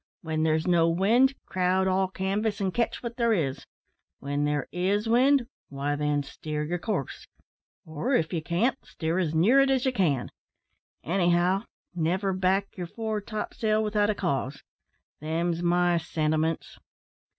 W'en there's no wind, crowd all canvas and ketch wot there is. W'en there is wind, why then, steer yer course; or, if ye can't, steer as near it as ye can. Anyhow, never back yer fore topsail without a cause them's my sentiments."